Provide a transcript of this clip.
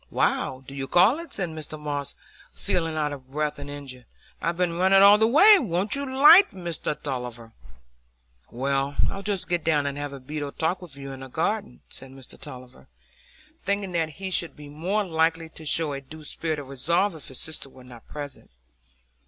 "While, do you call it?" said Mr Moss, feeling out of breath and injured. "I've been running all the way. Won't you 'light, Mr Tulliver?" "Well, I'll just get down and have a bit o' talk with you in the garden," said Mr Tulliver, thinking that he should be more likely to show a due spirit of resolve if his sister were not present.